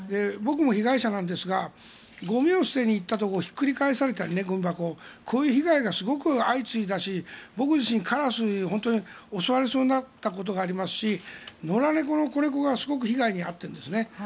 僕も被害者なんですがゴミを捨てに行ったところをゴミ箱をひっくり返されたりこういう被害がすごく相次いだし僕自身カラスに襲われそうになったことがありますし野良猫の子猫がすごく被害に遭っているんですね。